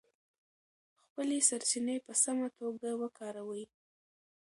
خپلې سرچینې په سمه توګه وکاروئ.